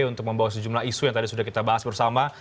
untuk membawa sejumlah isu yang tadi sudah kita bahas bersama